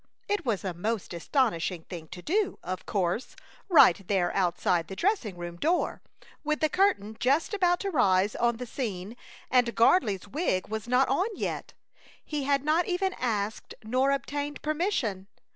It was a most astonishing thing to do, of course, right there outside the dressing room door, with the curtain just about to rise on the scene and Gardley's wig was not on yet. He had not even asked nor obtained permission.